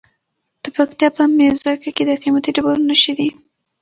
د پکتیا په میرزکه کې د قیمتي ډبرو نښې دي.